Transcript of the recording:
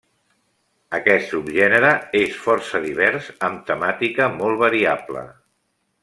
Aquest subgènere és força divers, amb temàtica molt variable.